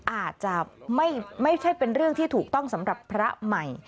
อาจจะไม่ใช่เป็นเรื่องที่ถูกต้องสำหรับพระใหม่